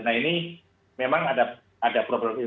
nah ini memang ada problem